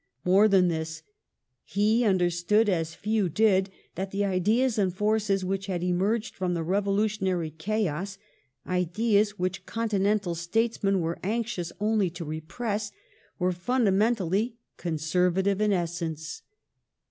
More than this. He undei stood, as few did, that the ideas and forces which had emerged from the revolution ary chaos, ideas which continental statesmen were anxious only to repress, were fundamentally conservative in essence.